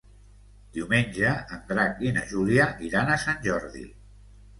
Diumenge en Drac i na Júlia iran a Sant Jordi.